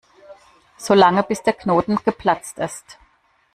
So lange, bis der Knoten geplatzt ist.